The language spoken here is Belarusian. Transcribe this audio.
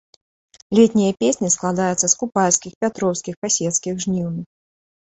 Летнія песні складаюцца з купальскіх, пятроўскіх, касецкіх, жніўных.